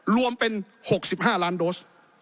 รวมเป็น๖๕ล้านโดส